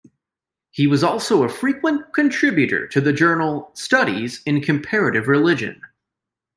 He was also a frequent contributor to the journal "Studies in Comparative Religion".